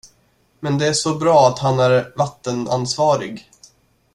Men det är så bra att han är vattenansvarig.